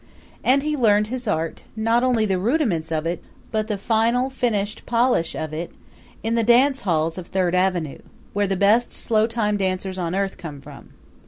And he learned his art not only the rudiments of it but the final finished polish of it in the dancehalls of Third Avenue, where the best slow time dancers on earth come from.